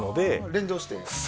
連動して。